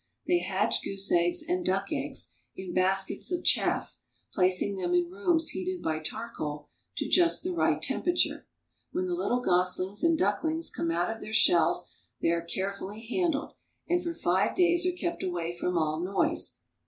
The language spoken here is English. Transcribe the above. They hatch goose eggs and duck eggs in baskets of chaff, placing them in rooms heated by charcoal to just the right tem perature. When the little goslings and ducklings come out of their shells, they are carefully handled, and for five days are kept away from all noise.